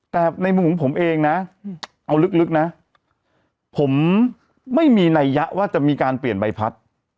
แต่ในมุมของผมเองนะเอาลึกนะผมไม่มีนัยยะว่าจะมีการเปลี่ยนใบพัด